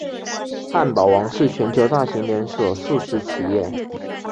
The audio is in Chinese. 汉堡王是全球大型连锁速食企业。